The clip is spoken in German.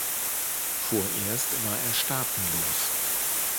Vorerst war er staatenlos.